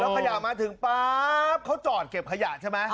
ขยะมาถึงป๊าบเขาจอดเก็บขยะใช่ไหม